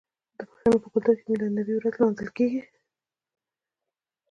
د پښتنو په کلتور کې د میلاد النبي ورځ لمانځل کیږي.